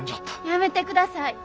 やめてください！